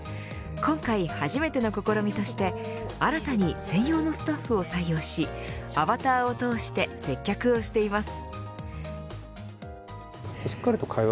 今回、初めての試みとして新たに専用のスタッフを採用しアバターを通して接客しています。